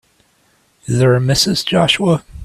Is there a Mrs. Joshua?